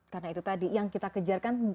karena itu tadi yang kita kejar kan